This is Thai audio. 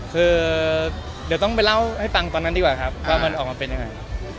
คือเดี๋ยวต้องไปเล่าให้ฟังตอนนั้นดีกว่าครับว่ามันออกมาเป็นยังไง